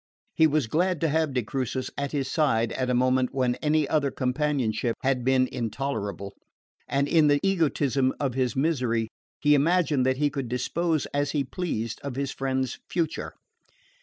He was glad to have de Crucis at his side at a moment when any other companionship had been intolerable; and in the egotism of his misery he imagined that he could dispose as he pleased of his friend's future.